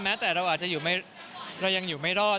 แม้แต่เรายังอยู่ไม่รอด